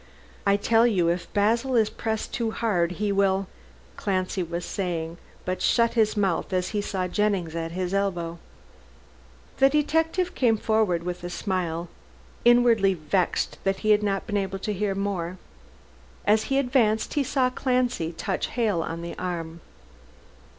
"I tell you if Basil is pressed too hard he will " Clancy was saying, but shut his mouth as he saw Jennings at his elbow. The detective came forward with a smile, inwardly vexed that he had not been able to hear more. As he advanced he saw Clancy touch Hale on the arm.